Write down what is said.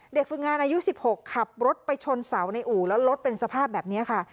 ฝึกงานอายุ๑๖ขับรถไปชนเสาในอู่แล้วรถเป็นสภาพแบบนี้ค่ะ